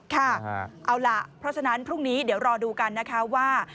ค่ะเอาล่ะเพราะฉะนั้นพรุ่งนี้เดี๋ยวรอดูกันนะคะว่า